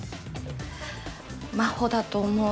真帆だと思う。